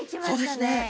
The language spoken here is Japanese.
そうですね。